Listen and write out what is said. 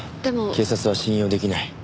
警察は信用できない。